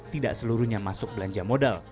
tidak seluruhnya masuk belanja modal